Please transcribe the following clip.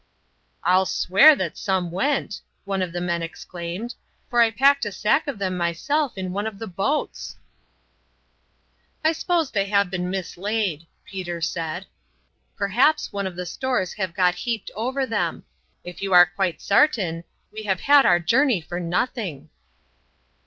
"I'll swear that some went," one of the men exclaimed, "for I packed a sack of them myself in one of the boats." "I s'pose they have been mislaid," Peter said. "Perhaps some of the stores have got heaped over 'em. Ef you are quite sartin, we have had our journey for nothing."